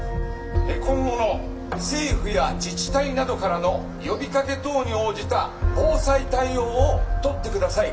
今後の政府や自治体などからの呼びかけ等に応じた防災対応を取ってください」。